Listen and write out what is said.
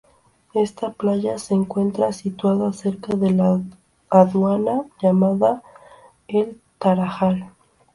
Esta playa se encuentra situada cerca de la aduana llamada "El Tarajal".